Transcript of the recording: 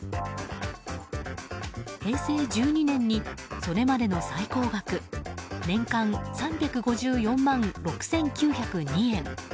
平成１２年にそれまでの最高額年間３５４万６９０２円。